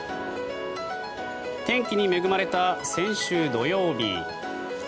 天気に恵まれた先週土曜日。